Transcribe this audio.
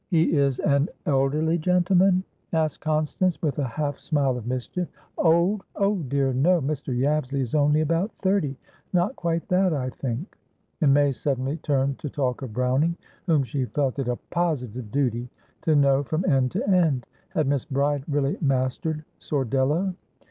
"He is an elderly gentleman?" asked Constance, with a half smile of mischief. "Old! Oh dear, no! Mr. Yabsley is only about thirtynot quite that, I think." And May suddenly turned to talk of Browning, whom she felt it a "positive duty" to know from end to end. Had Miss Bride really mastered "Sordello?"